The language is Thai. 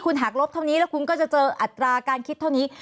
หากลบเท่านี้แล้วคุณก็จะเจออัตราการคิดเท่านี้